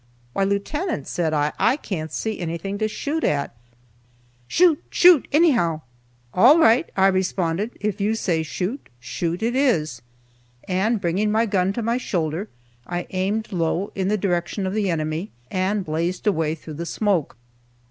"Why, lieutenant," said I, "I can't see anything to shoot at." "Shoot, shoot, anyhow!" "All right," I responded, "if you say shoot, shoot it is;" and bringing my gun to my shoulder, I aimed low in the direction of the enemy, and blazed away through the smoke.